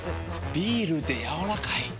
ビールでやわらかい。